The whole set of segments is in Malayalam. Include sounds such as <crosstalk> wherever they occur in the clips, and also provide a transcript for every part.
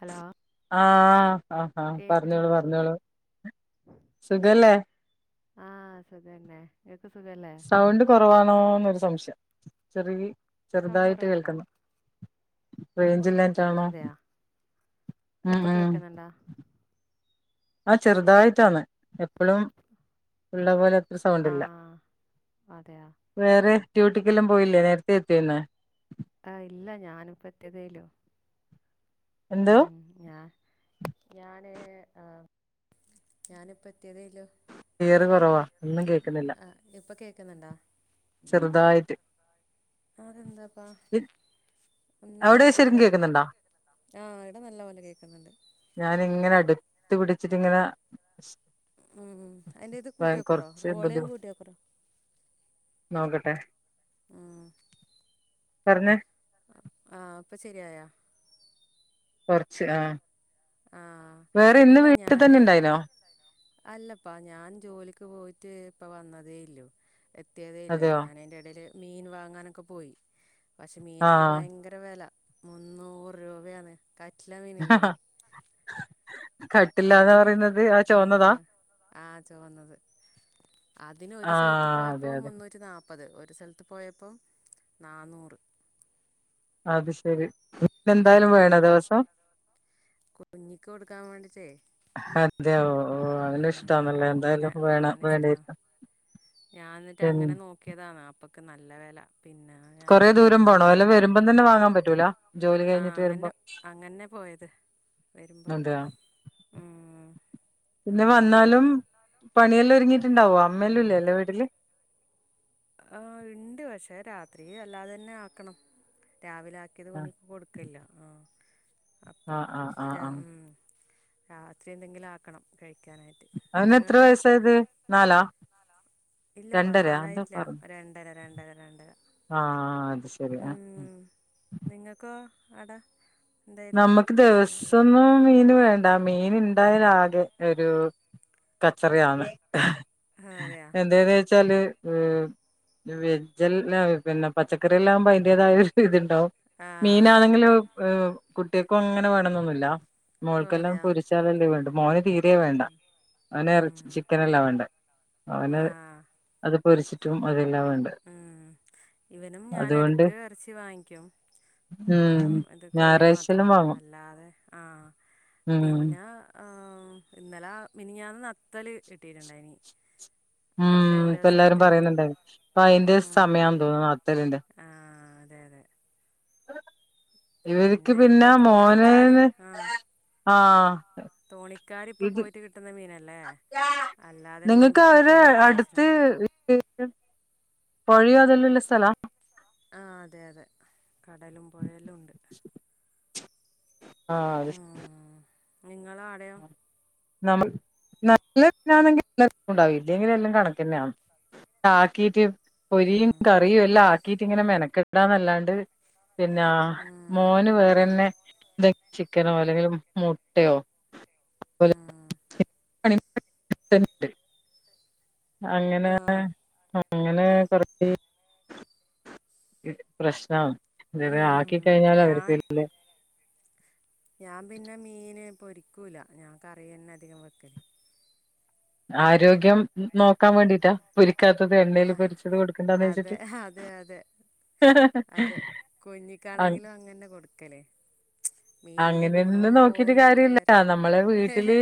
ഹലോ ആഹ് ആഹ് ആ പറഞ്ഞോളു കേക്കുന്നുണ്ടോ പറഞ്ഞോളു സുഖല്ലേ ആഹ് സുഖന്നെ സുഖല്ലേ സൗണ്ട് കുറവാണോന്നൊരു സംശയം. ചെറുകി സൗണ്ട് ചെറുതായിട്ട് കുറവുണ്ടോ കേൾക്കുന്നു റേഞ്ചിലായിറ്റാണോ അതെയാ ഉം ഇപ്പൊ ഉ കേക്കുന്നുണ്ടാ ആ ചെറുതായിട്ടാണ് എപ്പളും ഇള്ള പോലെ ത്ര സൗണ്ടില്ല ആഹ് അതെയാ വേറെ ഡ്യൂട്ടിക്കെല്ലാം പോയില്ലേ നേരത്തെ എത്തിയോ ഇന്ന് ആഹ് ഇല്ല ഞാനിപ്പോ എത്തിയതേലു എന്തോ ഉം ഞാൻ ഞാന് ആഹ് ഞാനിപ്പ എത്തിയതേലു ക്ലിയർ കുറവാ ഒന്നും കേൾക്കുന്നില്ല ക്ക്ന്നുണ്ടോ ചെറുതായിട്ട് അതെന്താപ്പാ ഒന്നും അവിടെ പറ്റിയില്ല ശരിക്കും കേക്കുന്നുണ്ടോ ആഹ് ഇവിട നല്ല പോലെ കേക്കുന്നുണ്ട് എടുത്ത് പിടിച്ചിട്ടിങ്ങനെ ഉം ഉ അയിന്റെ ഇത് കൂട്ടിയൊക്കറോ കൊറച്ച് ബുദ്ധി ഓളിയ് കൂട്ടിയൊക്കറോ നോക്കട്ടെ ഉം പറഞ്ഞേ ആ അപ്പ ശരിയായാ കുറച്ച് ആഹ് ആഹ് വേറെ ഇന്ന് ഇല്ല വീട്ടിൽ തന്നെ ഞാന് ഇണ്ടായിനോ അല്ലപ്പാ ഞാൻ ജോലിക്ക് പോയിട്ട് ഇപ്പ വന്നതേ ഇല്ലൂ എത്തിയതേല്ലൂ. അതെയോ ഞാൻ അയിൻ്റെ എടേൽ മീൻ വാങ്ങാനൊക്കെ പോയി പക്ഷേ മീനൊക്കെ ആഹ് ഭയങ്കര വെല മുന്നൂറ് രൂപയാണ് കട്ട്ല മീന് ഇല്ലേ <unintelligible> അതിന് പറയുന്നത് ആ ചുവന്നതാ ആ ചോന്നത് അതിന് ഒരു സെൽത്ത് ആഹ് അതെ പോയപ്പം അതെ മുന്നൂറ്റി നാ പ്പത്. ഒരു സെൽത്ത് പോയപ്പം നാന്നൂർ അത് ശരി ഇപ്പന്തായാലും വേണ ദിവസം കുഞ്ഞികൊടുക്കാൻ വേണ്ടിട്ടെ അതെ ഓ അവനിഷ്‌ടാണല്ലേ എന്തായാലും വേണോ വേണേര്ക്കും ഞാ ഇന്നിട്ട് അങ്ങനെ നോക്കിയതാന്ന് അപ്പക് നല്ല വെല കൊറേ ദൂരം പോണോ അല്ലെ വരുമ്പംതന്നെ വാങ്ങാൻ പറ്റൂല. ജോലി ആ കഴിഞ്ഞിട്ട് വരുമ്പോ അങ്ങന്നെ അങ്ങന്നെ പോയത് വരുമ്പം അതെയോ ആ പിന്നെ അങ്ങനെ പോയത് വന്നാലും പണിയെല്ലാം ഒരുങ്ങിട്ടുണ്ടാവോ അമ്മല്ലും ല്ലേ അന്റെ വീട്ടില് ആഹ് ഇണ്ട് പക്ഷേ രാത്രിക് അല്ലാതെന്നെ ആകണം രാവിലെ ആക്കിയത് ആഹ് കുഞ്ഞിക്ക് കൊടുക്കലോ മം അപ്പം ആഹ് ആഹ് ആഹ് അ ആഹ് മം രാത്രി എന്തെങ്കിലും ആക്കണം കഴി അവന് എത്ര വയസായത് നാലാ ഇല്ലപ്പാ രണ്ടരയാ എന്തോ നാലായിറ്റില്ല രണ്ടര രണ്ടര രണ്ടര ആ ആ അത് ശരി അ.. നിങ്ങക്കോ അട.. നമ്മക്ക് ദിവസന്നും മീന് വേൻ.. ഡാ മീനിണ്ടായാൽ ആകെ ഒരു കച്ചറിയാണ് ഖേ ഹേ അതെയാ എന്തേതെ ച്ചാലേ മം വേജെല്ലാം നാം ഒരിതന്നെ പച്ചക്കറില്ലാം അയിന്റെതായരു രീതില് ട്ടോ ആഹ് മീനാണെങ്കിലും എ ഹ് കുട്ടേക്കും ഇങ്ങനെവേണന്നൊന്നുല്ല ഓ മോൾക്കെല്ലാം അതെയാ പൊരിച്ചാലെല്ലാം വേണ്ടു മോന് തീ.. രേം വേണ്ട അവന് ഇറച്ചി ഉം ചിക്കനെല്ല വേണ്ടത് അവന് ആഹ് അത് പൊരിച്.. എല്ലാം വേണ്ടേ ഉം ഇവനും ഞാനും അതുകൊണ്ട് എടക് എറച്ചി വാങ്ങിക്കും. ആ ഉം മം ഇത് കോഴി മാ.. ത്രം ഞായറാഴ്ചെല്ലാം വാങ്ങും നല്ലാതെ ആ ഉം പിന്നാ ഹ്. ആ മം ഇന്നലാ മിനിഞ്ഞാന്ന് നത്തല് കിട്ടീട്ടിണ്ടായിനി. മം ഇപ്പേല്ലാരും പറയുന്നുണ്ടായിരുന്നിന് അയിന്റരു ഉം സമയാന്നു തോന്നുന്നു നത്തലിന്റെ. ആഹ് അതെ അതെ ഇവര്ക് പിന്നെ ഇപ്പം തോണിക്കാര് മോനെന്ന് ആ തോണിക്കാര് ഇപ്പം പോയിറ്റ് കിട്ടുന്ന മീനെല്ലേ.. നിങ്ങക്കവരെ അടുത്ത് വെച്ചിട്ടുണ്ടല്ലോ ഗ്ങ്ങേ.. പോയതെല്ലാള്ളസ്ഥലാ കടലുംപുഴയെല്ലും ഉണ്ട് ആ ഹ് അത്. നിങ്ങളാടെയോ നമ നല്ല തിനാണെങ്കി എല്ലാര്ക്കുണ്ടാവും ഇതെല്ലേതും കണക്കാന്നഅന് ആകീറ്റ് പൊരിയും ഉം കറിയെല്ലാകീറ്റ് ഇങ്ങനെ മെനക്കറ്റല്ലാണ്ട് പിന്നാ ഉം മോന് വേറെന്നെ ചിക്കനോ അല്ലെങ്കി മുട്ടയോ ഉം <inaudible> അങ്ങനെ ആ ഏ ഉം അങ്ങനെ കൊറച്ചി... പ്രശ്നന്ന് ഇതേരെ ആക്കി ഉം കഴിഞ്ഞലെ അവര് വേര്ന്നെ ഞാപിന്നെ മീന് പൊരിക്കൂല ഞാൻ കറിയെന്നെ അതികം വെക്കല് ആരോഗ്യം നോകാം വേണ്ടീറ്റ പൊരിക്കാത്തത് ആ എണ്ണയിൽ പൊരിച്ചത് അതെ കൊടുക്കണ്ടച്ചിട്ട് അതെ അതെ അതെ കുഞ്ഞികാണെങ്കിലും അങ്ങന്നെ കൊടുക്കല് മീനിന്റെ അങ്ങനെന്നെ ഗുണവും നോക്കീട്ട് പോവും കാര്യല്യ എല്ലാരും നമ്മളെ വീട്ടില്..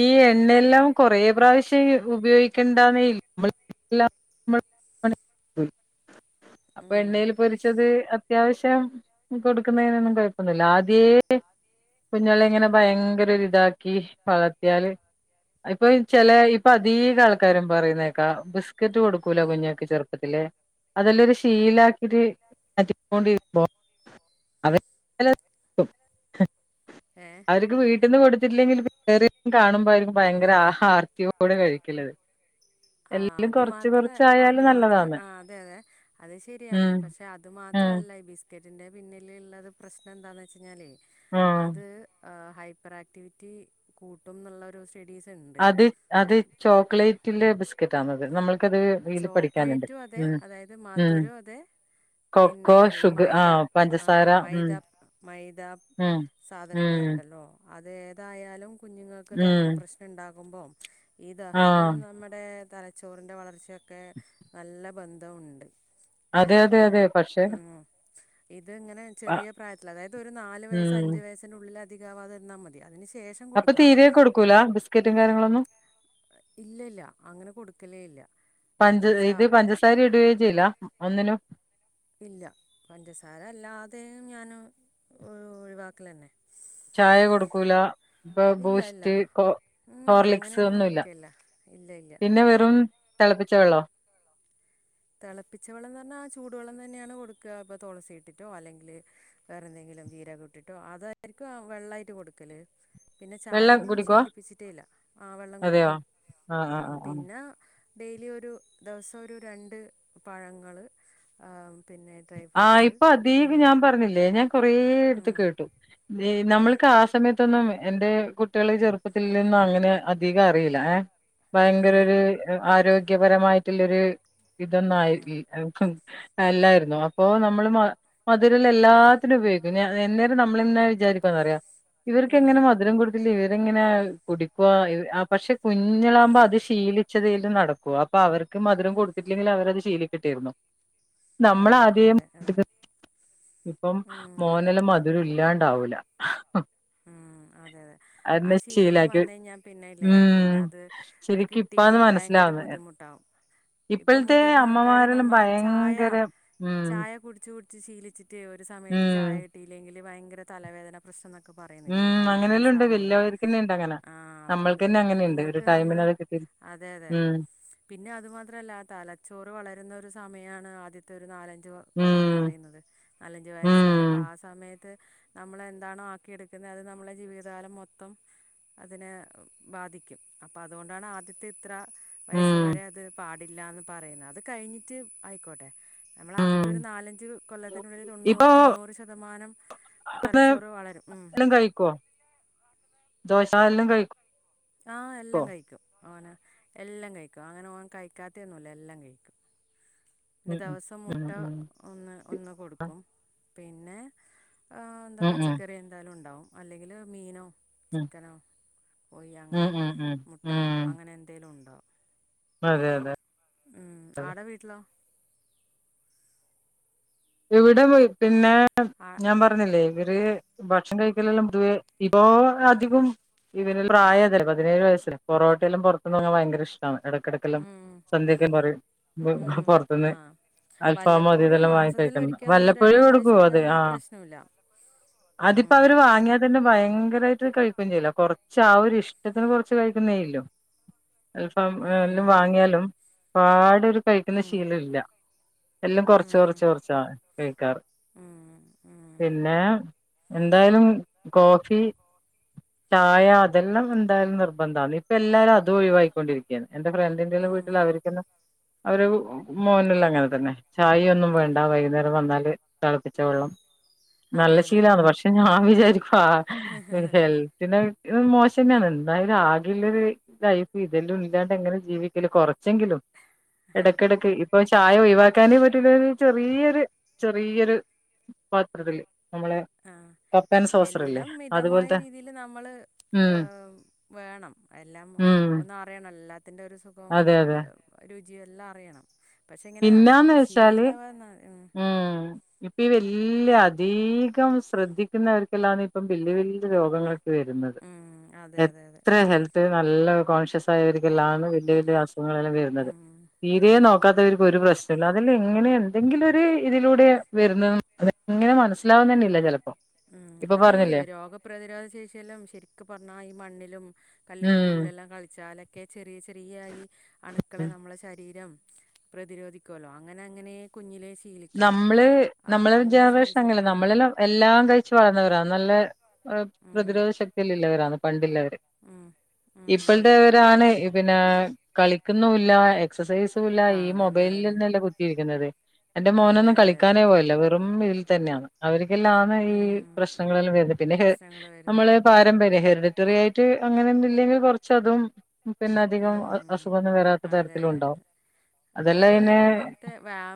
ഈ എണ്ണയ എല്ലാം കൊറേ പ്രാവശ്യം ഉപയോഗിക്കേണ്ടന്നേ <inaudible> അപ്പൊ ഉം എണ്ണൽ പൊരിച്ചത് അത്യാവശ്യം കൊടുക്കുന്നതിനൊന്നും കൊയപ്പൊന്നുല്ല ആദ്യേ കുഞ്ഞളെ ഇങ്ങനെ ഭയങ്കരൊരിതാക്കി വളർത്തിയാല് ഇപ്പൊ ചില ഇപ്പൊ അധിക ആൾക്കാരും പറയുന്നേക്കാ ബിസ്ക്കറ്റ് കൊടുക്കൂല കുഞ്ഞക്ക് ചെറുപ്പത്തില് അതെല്ലാരു ശീല ആക്കിട്ട് മാറ്റികൊണ്ടിരുമ്പോ അവ <unintelligible> ഏ അവര്ക്ക് വീട്ട്ന്ന് കൊട്ത്തിട്ട് ഇല്ലെങ്കിൽ <inaudible> വേറെ കാണുമ്പോയെക്കും ഭയങ്കര ആഹാർത്തിയോടെ കഴിക്കലത് ആ എല്ലാം അത് കൊറച്ച് മാത്രേ അത് കൊറച്ചായാലും മാത്രം നല്ലതാന്ന് ആ അതെ അതെ അത് ശരിയാണ് ഉം പക്ഷെ അത് മാത്ര ഉം ത്ര അല്ല ഈ ബിസ്ക്കറ്റിന്റെ പിന്നിൽ ഇള്ളത് പ്രശ്നം എന്താന്ന് വെച്ചിഞ്ഞാലേ ഉം അത് ആ ഹൈപ്പർ ആക്ടിവിറ്റി കൂട്ടുംന്ന് ഇള്ളൊരു അത് അത് ചോക്ലേറ്റിലെ ബിസ്ക്കറ്റ് ആണത് നമ്മൾ ചോക്ലേറ്റും അതെ അതായത് ഉം മധുരും അതെ കൊക്കോ പിന്നെ ഈ ഷുഗർ ആ മൈദ ആ പഞ്ചസാര ഉം മൈദ മൈദ ഉം സാധനങ്ങൾ ഉം ഇണ്ടല്ലോ അതേതായാലും കുഞ്ഞുങ്ങൾക്ക് ദഹന ഉം പ്രശ്നം ഇണ്ടാകുമ്പോ ഈ ആ ദഹനവും നമ്മുടെ തലച്ചോറിൻ്റെ വളർച്ചയൊക്കെ നല്ല ബന്ധവുണ്ട് ഏ അതെ അതെ അപ്പോ അതെ പക്ഷെ ഉം ഇത് ഇങ്ങനെ ചെറിയ പ്രായത്തിൽ അതായത് ഒരു നാല് വയ സ് ഉം അഞ്ച് വയസ്സിനുള്ളിൽ അധികാവാതെ ഇര്ന്നാ മതി അതിന് ശേ അപ്പ തീരെ കൊട്ക്കൂലാ ബിസ്കറ്റും കാര്യങ്ങളൊന്നും ഇല്ല ഇല്ല അങ്ങനെ കൊട്ക്കലേ ഇല്ല പഞ്ച എന്താ ഇത് വെച്ചാൽ പഞ്ചസാര ഇടുവേ ചെയില്ല ഒന്നിനും ഇല്ല പഞ്ചസാര അല്ലാതെയും ഞാൻ ഒഴ് ഒഴിവാക്കലെന്നെ ചായ കൊടുക്കൂലാ ഇപ്പ ഇല്ല ഇല്ല ബൂസ്റ്റ് കോ ഉം, ഹോർലിക്സ് അങ്ങനെയൊന്നും ഒന്നും ഇല്ല കൊടുക്കുകയില്ല ഇല്ല ഇല്ല പിന്നെ വെറും തെളപ്പിച്ച വെള്ളോ തെളപ്പിച്ച വെള്ളന്ന് പർണാ ചൂടുവെള്ളം തന്നെയാണ് കൊട്ക്കാ ഇപ്പ തൊളസി ഇട്ടിട്ടോ അല്ലെങ്കിൽ വേറെ എന്തെങ്കിലും ങ്കിലും ജീരകം ഇട്ട്ട്ടോ അതായിരിക്കും വെള്ളായിട്ട് കൊട്ക്കൽ പിന്നെ വെള്ളം ചായയൊന്നും കുടിക്കുവോ ശീലിപ്പിച്ചിട്ടേ ഇല്ല ആ വെള്ളം അതെയോ കുടിക്കും ആ ആ ഉം ആ ആ പിന്നെ ഡെയിലി ഒരു ദിവസം ഒരു രണ്ട് പഴങ്ങൾ ആ ആ ഇപ്പ അതീകും ഞാൻ പറഞ്ഞില്ലേ ഞാൻ കൊറേയിട്ത്ത് ഉം, കേട്ടു ദേ നമ്മൾ ക്ക് ആ സമയത്തൊന്നും എന്റെ കുട്ടെൾ ചെറുപ്പത്തിൽ ഒന്നും അങ്ങനെ അധികം അറിയില്ല ഏ ഭയങ്കര ഉം, ഒരു ആരോഗ്യ പരമായിട്ട് ഇല്ലൊര് ഇതൊന്നായിട്ട് ഉം. ഇല്ലെ <unintelligible> എല്ലരും അപ്പൊ നമ്മൾ മ മധുരുള്ള എല്ലാത്തിനും ഉപയോഗിക്കും ഞ എന്നെരം നമ്മൾ എന്നാ വിചാരിക്കുന്ന് അറിയോ ഇവര്ക്ക് ഉം എങ്ങനെ മധുരം കൊട്ത്ത് ശീല ഇത് എങ്ങനെ ആയാലും കുടിക്കോ ഇവര് ആ പക്ഷെ കുഞ്ഞളാവുമ്പോ അത് ശീലിച്ചതെ അല്ലെ നടക്കു അപ്പ അവർക്ക് ക്ക് മധുരം കൊടുത്തിട്ടില്ലെങ്കിൽ അവരത് ശീലിക്കെണ്ടി വെരുന്നു <unintelligible> മ്മൾ ആദ്യം അതെ അതെ <unintelligible> ഇപ്പം ഉം മോന് അതെ യില്ല മധുരം ഇല്ലാണ്ടാവൂലാ ആ ഉം അതെ അതെ ആ ശീലം ശീലാക്കി വന്ന് കഴിഞ്ഞാൽ പിന്നെ ഇല്ലേ ഉം പിന്നെ അത് അത് ശരിക്കും കിട്ടിയില്ലെങ്കി ഭയങ്കര ബുദ്ധിമുട്ടാവും ഇപ്പൊ ഇപ്പൾത്തെ മുതിർന്ന ആൾക്കാര് അമ്മമാരെല്ലാം നമ്മ ചായ ഭയങ്കര ഉം ചായ കുടിച്ച് കുടിച്ച് ശീലിച്ചിട്ടെ ഒര് ഉം സമയത്ത് ചായ കിട്ടിലെങ്കിൽ ഭയങ്കര തലവേദന പ്രശ്ന ക്കെ പറയുന്നിലെ അങ്ങനെയെല്ലാം ഇണ്ട് വല്ലിയവര്ക്കെന്നെ ഇണ്ട് അങ്ങനെ അപ്പൊ അത് നമ്മൾക്കെന്നെ അങ്ങനെ ഇണ്ട് ഒരു കുഞ്ഞുങ്ങൾക്ക് ടൈമിൻ നമ്മള് അയ് കിട്ടി അതെ അതെ ഉം പിന്നെ അതുമാത്ര അല്ല തലച്ചോറ് വളരുന്ന ഒരു സമയം മയാണ് ആദ്യത്തെ ഒരു നാലഞ്ച് കൊല്ലംന്ന് ഉം പറയുന്നത്. നാലഞ്ച് വയസ് വരെ അപ്പ ഉം ആ സമയ ത്ത് നമ്മളെന്താണോ ആക്കിയെടുക്കുന്നെ അത് നമ്മളെ ജീവിതകാലം മൊത്തം അതിനെ ബാധിക്കും അപ്പൊ അതുകൊണ്ടാണ് ആദ്യത്തെ ഇത്ര വയസ് ഉം വരെ അത് പാടില്ലാന്ന് പറയ്ന്നെ അത് കഴിഞ്ഞിട്ട് അയിക്കോട്ടെ നമ്മൾ ആദ്യത്തെ ഉം ഒരു നാലഞ്ച് കൊല്ലത്തിനുള്ളിൽ തൊണ്ണൂറ് ഇപ്പൊ തൊണ്ണൂറ് ശതമാനം തലച്ചോറ് വളരും ഉം ക്കൊ. ദോശ എല്ലൊം കഴി ആഹ് എല്ലാം കഴിക്കും ഓന് എല്ലാം കഴിക്കും അങ്ങനെ ഓൻ കഴിക്കാതെ ഒന്നുല്ല എല്ലാം കഴിക്കും പിന്നെ ഉം ദെവസം ഉം മുട്ട ഉം ഒന്ന് ഒന്ന് കൊടുക്കും പിന്നെ ആ എന്താ ഉം ഉം പച്ചക്കറി എന്തായാലും ഉണ്ടാവും അല്ലെങ്കില് മീനോ ഉം ചിക്കനോ കോയോ ഉം ഉം അങ്ങനെ ഉം ഉം മുട്ട ഉം അങ്ങനെ എന്തേണ്ടാവും അതെ അതെ അതെ ഉം ആട വീട്ടിലോ ഇവടെ പോയി പിന്നെ ആ ഞാൻ പറഞ്ഞില്ലേ ഇവര് ഭക്ഷണം കഴിക്കലെല്ലാം പൊതുവെ വിഭവങ്ങളൊക്കെ അധികും ഇവന് പ്രായതല്ലേ. പതിനേഴ് വയസ് പൊറോട്ടെല്ലാം പൊർത്ത്ന്ന് വാങ്ങാൻ ഭയങ്കര ഇഷ്ടമാണ് ഇട എടക്കല്ലാം ഉം സന്ധ്യക്കേ പറിം ഉം പുറത്തുന്ന് ആ അൽഫാമോ വല്ലപ്പോഴും അതുംഇതെല്ലാം വാങ്ങിത മാസത്തിലൊരിക്കൽ വല്ലപ്പൊഴും രണ്ട് അവര് പ്രാവശ്യമൊക്കെ പോവത് ആകുമ്പോൾ ആഹ് പ്രശ്നമില്ല അതിപ്പോ ഉം അവര് വാങ്ങിയതന്നെ ഭയങ്കരായിട്ട് കഴിക്കൊന്നും ചെയ്ല കൊർച്ച് ആ ഒരി ഇഷ്ടത്തിന് കൊറച്ച് കഴിക്കുന്നേള്ളൂ ആൽഫമ് എല്ലാം ഉം വാങ്ങിയാലും പാട് ന്നൊരു കഴിക്കുന്ന ഉം ശീല ഇല്ല എല്ലാം കുറച്ച് ഉം കുറച്ച് കുറച്ച് കേക്കാറ്ണ്ട് ഉം ഉം പിന്നെ എന്തായാലും കോഫി ചായ അതെല്ലാം എന്തായാലും നിർബന്ധ. ഇപ്പൊ എല്ലാരും അതും ഒഴിവാക്കിക്കൊണ്ടിരിക്കയാണ് എന്റെ ഫ്രണ്ടിന്റെല്ലാം ഉം വീട്ടില് അവര്ക്കൊന്നും അവര് മോനെല്ലാം അങ്ങനെ തന്നെ ചായ ഒന്നും വേണ്ട ണ്ടാ. വൈകുന്നേരം വന്നാല് തളപ്പിച്ച വെള്ളം നല്ല അതെ അതെ ശീലാണ് പക്ഷെ ഞാൻ വിചാരിക്കും ഹാ. ഹെൽത്തിന് ഇ മോശന്നെണ്. എന്തായാലും ആകെയുള്ളരു ലൈഫ് ഇതെല്ലും ഇല്ലാണ്ട് എങ്ങനെ ജീവിക്കല് കൊറച്ചെങ്കിലും ഇടക്കിടക്ക് ഇപ്പൊ ചായ ഒഴിവാക്കാനേ പറ്റില്ലല്ലോ ചെറിയൊരു ചെറിയൊരു പാത്രത്തില് നമ്മളെ ആ കപ്പ ആൻഡ് സോസറില്ലേ എല്ലാം മിതമായ അതുപോലത്തെ രീതിൽ നമ്മള് ഉം ഏമ് വേണം എല്ലാം ഉം ഒന്ന് അറിയണം. എല്ലാത്തിന്റെ ഒരു സുഖം. അതെ അതെ രുചിയും എല്ലാം അറിയണം പക്ഷെ ഇങ്ങനെ പിന്നന്ന് വെച്ചാല് ഉം ഇപ്പൊ വല് ഇല്ല അദീകം ശ്രദ്ധിക്കുന്നവർക്കെല്ലാന്ന് ഇപ്പം വല്യ വല്യ രോഗങ്ങൾ ഒക്കെ വരുന്നത്. ഉം അതെ അതെ അതെ എത്ര ഹെൽത്തിന് ന ല്ല കോൺഷ്യസായവർക്കെല്ലാ ആന്ന് വല്യ വല്യ അസുഖങ്ങളെല്ലാം വരുന്നത് ഉം തീരേ ഉം നോക്കാത്തവര് ക് ഒരു പ്രശ്നംല്ല അതിൽ എങ്ങനെ എന്തെങ്കിലും ഒരു ഇതിലൂടെ വരുന്ന എങ്ങനെ മനസ്സിലാവുന്നന്നെ ഇല്ല ചെലർ ഉം അതീ രോഗപ്രതിരോധ ശേഷിയെല്ലാം ശര്ക്ക് പർഞ്ഞാ ഈ മണ്ണിലും കല്ലും ഉം മുള്ളെല്ലാം കളിച്ചാലൊക്കെ ചെറിയ ചെറിയ ഈ അണുക്കളെ ഉം നമ്മള ശരീരം പ്രതിരോധിക്കോല്ലോ അങ്ങനെ അങ്ങനെ കുഞ്ഞിലെ നമ്മള് നമ്മളെ ജനറേഷൻ ശീലിച്ച അങ്ങനെല്ല. ആ നമ്മളല്ലാം എല്ലാം കഴി ച്ച് വളർന്നവരാണ് നല്ല ഉം പ്രതിരോധ ശക്തി എല്ലാം ഇള്ളവരാണ് പണ്ടില്ലവ ഉം ഉം അതെ അതെ ഇപ്പോൾത്തവരാണ് പിന്നെ കളിക്കുന്നുല്ല എക്സസൈസ് വല്ല ആ ഈ അതന്നെ അതന്നെ മൊബൈലിൽന്നല്ലേ കുത്തിയിരിക്കുന്നത് എന്റെ അതെ മോനൊന്നും അതെ അതെ കളിക്കാനേ പോവല്ല വെറും വീട്ടിൽ തന്നെയാണ് അവർ തെല്ലാം ആന്ന് ഈ ഉം പ്രശ്നങ്ങളെല്ലാം വര്ന്നത്. പിന്നെ ഹേ പ്രശ്നങ്ങൾ വരുന്നെ നമ്മള് പാരമ്പര്യ ഹെറിറ്ററി ആയിട്ട് അങ്ങനെ ഒന്നില്ലങ്കിൽ കോർച്ചതും പിന്നെ അതികം ഉം അസുഗോന്നും വേറത്ത അതെ തരത്തില അതെ ഉണ്ടാവും അതെ അതെല്ലാം ഇന്നെ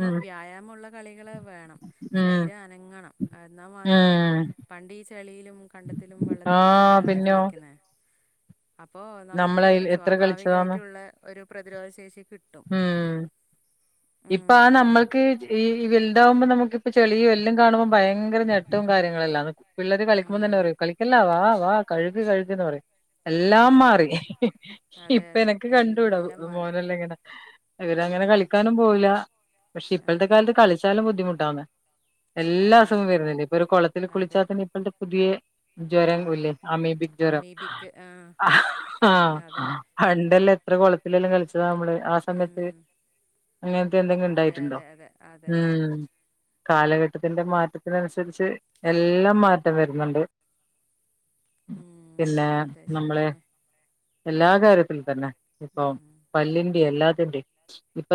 ഉ വ്യായാമുള്ള കളികൾ വേണം ശരീരം അനങ്ങണം എന്നാൽ മാത്രമേ ഉം പണ്ടി- ചെളിയിലും കണ്ടത്തിലും വെള്ളത്തിലും ആഹ് അല്ലല്ല പിന്നോ കളിക്കുന്നത് അപ്പോൊ നമുക്ക് നമ്മളതിൽ എത്ര കളിച്ചതാന്ന് സ്വാഭാവികമായിട്ടുള്ള- ഒരു പ്രതിരോധ ശേഷി കിട്ടും. ഉം ഇപ്പൊ ആ ഉം നമ്മൾക്ക് ഈ വലുതാവുമ്പോ നമുക്ക് എ ഇപ്പൊ ചെളിയും എല്ലാം കാണ്പോ ഭയങ്കര ഞട്ടവും കാര്യങ്ങളെല്ലാം പിള്ളര് കളിക്കുമ്പോന്ന് ഉം തന്നെ പറയും കളിക്കല്ല വാ വാ കഴുുകി കഴുകന്ന് പറയും എല്ലാം ഉം മാറി അതെ ഇപ്പൊ അതെ എനക്ക് കണ്ടു വിടാ എല്ലാം മാറി മോനല്ലാം എങ്ങനെ അവങ്ങനെ ഉം കളിക്കാ പോയില്ല പക്ഷെ ഇപ്പോഴത്തെ ഉം കാലത്ത് കളിച്ചാലും ബുദ്ധിമുട്ടാന്ന എല്ലാ അതെ അസുഖവും വരുന്നില്ല ഇപ്പൊ ഒരു കുളത്തിൽ അതെ കുളിച്ചാൽ തന്നെ ഇപ്പളത്തെ പുതിയ ആ ജ്വരം ഇല്ലേ അമീ- അമീബിക്ക് ആ <unintelligible> ആ അതെ പണ്ടല്ല എത്ര കുളത്തിലെല്ലാം കളിച്ചതാ നമ്മള് ആ സമയത്ത് ഉം അങ്ങനത്തെ എന്തെങ്കും അതെ ഇണ്ടായിട്ടുണ്ടോ അതെ അതെ അതെ അതെ ഉം കാലഘട്ടത്തിന്റെ മാറ്റത്തിനനുസരിച്ച് എല്ലാം മാറ്റം വരുന്നുണ്ട് ഉം പിന്നെ അതെ നമ്മള് ശരിയന്നെ എല്ലാ കാര്യത്ത- തന്നെ ഇപ്പ ഉം പല്ലിന്റെ എല്ലാത്തിന്റെ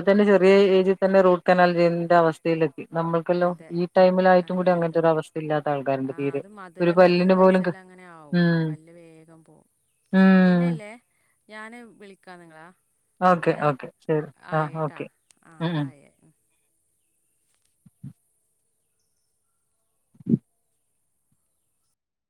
ന്നെ ചെറിയ ഏജിൽ തന്നെ റോഡ് കനാൽ ചെയ്യേണ്ട അവസ്ഥയിയില നമ്മൾക്കല്ലോ അതെ ഈ ടൈമിലായിട്ടും കൂടി അതെ അങ്ങനത്തെ അതെ ഒരു അവസ്ഥ ഇല്ലാത്ത ആൾക്കാന്റെ തീര് ഒരു പല്ലിന് പോലും ങ്ങനെ ആകും ഉം പല്ല് വേഗം പോ ഉം പിന്നെല്ലേ ഞാന് വിളിക്കാ നിങ്ങളാ ഓക്കെ ഓക്കെ ശരി ആ ഓക്കെ ആ ഉം ആയി ഉം ഉം